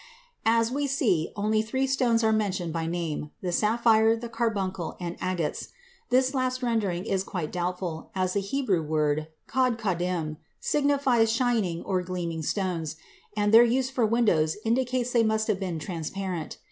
As we see, only three stones are mentioned by name: the sapphire, the carbuncle, and "agates." This last rendering is quite doubtful, as the Hebrew word (kodkodim) signifies shining or gleaming stones, and their use for windows indicates that they must have been transparent.